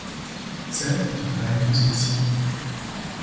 Це — тонка інквізиція.